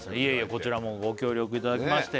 「こちらもご協力いただきまして」